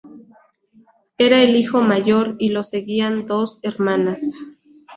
Era el hijo mayor, y lo seguían dos hermanas.